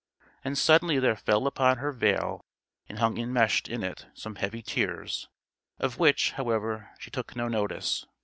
And suddenly there fell upon her veil and hung enmeshed in it some heavy tears, of which, however, she took no notice.